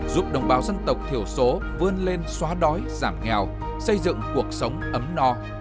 giúp đồng bào dân tộc thiểu số vươn lên xóa đói giảm nghèo xây dựng cuộc sống ấm no